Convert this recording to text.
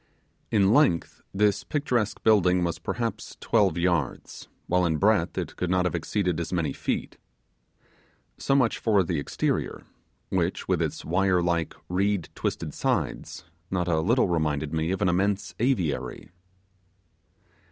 In length this picturesque building was perhaps twelve yards, while in breadth it could not have exceeded as many feet. So much for the exterior; which, with its wire like reed twisted sides, not a little reminded me of an immense aviary.